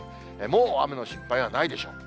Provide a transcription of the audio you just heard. もう雨の心配はないでしょう。